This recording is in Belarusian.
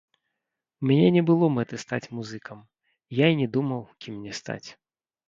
У мяне не было мэты стаць музыкам, я і не думаў, кім мне стаць.